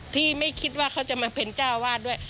ที่ไม่คิดว่าเขาจะมาเป็นเจ้าวาดด้วย